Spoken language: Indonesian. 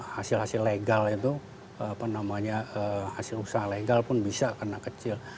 hasil hasil legal itu apa namanya hasil usaha legal pun bisa kena kecil